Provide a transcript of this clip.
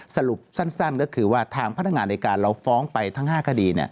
สรุปสั้นก็คือว่าทางพนักงานในการเราฟ้องไปทั้ง๕คดี